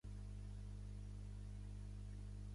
Francesc Calvet i Rubalcaba va ser un advocat nascut a Girona.